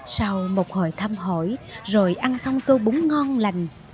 sau một hồi thăm hỏi rồi ăn xong tô bún ngon lành